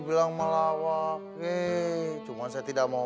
bro saya mah tidak mau